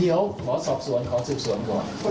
เดี๋ยวขอสอบสวนขอสืบสวนก่อน